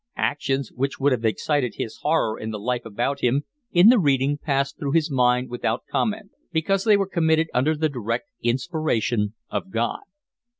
Actions which would have excited his horror in the life about him, in the reading passed through his mind without comment, because they were committed under the direct inspiration of God.